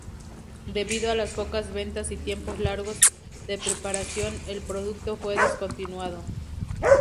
Debido a las pocas ventas y tiempos largos de preparación, el producto fue descontinuado.